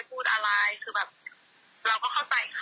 หลวงของทางที่มันเปิดเข้าไปเข้าแม่น้ำเลยอะค่ะ